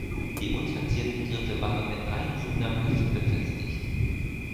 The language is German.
Die unverzierten Griffe waren mit drei Nieten am Heft befestigt.